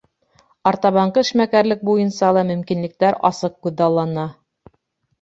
Артабанғы эшмәкәрлек буйынса ла мөмкинлектәр асыҡ күҙаллана.